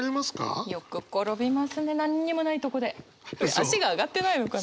足が上がってないのかな？